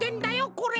これ！